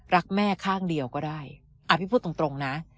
รักแม่ข้างเดียวก็ได้พี่พูดตรงนะ